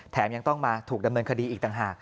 ยังต้องมาถูกดำเนินคดีอีกต่างหาก